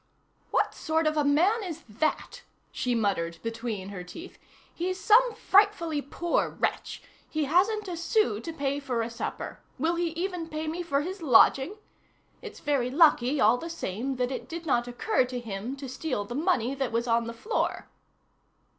"What sort of a man is that?" she muttered between her teeth. "He's some frightfully poor wretch. He hasn't a sou to pay for a supper. Will he even pay me for his lodging? It's very lucky, all the same, that it did not occur to him to steal the money that was on the floor."